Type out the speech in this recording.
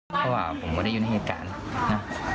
เพราะว่าผมก็ได้อยู่ในเหตุการณ์นะ